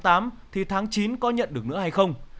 thì tháng chín có nhận được nữa hay không